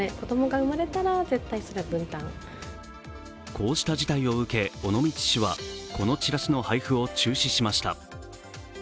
こうした事態を受け、尾道市はこのチラシの配布を中止しました。